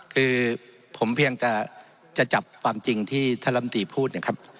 คือผมเพียงแต่จะจับความจริงที่ท่านลำตีพูดนะครับ